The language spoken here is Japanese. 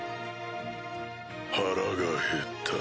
腹がへった。